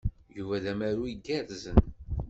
Yuba d amaru igerrzen.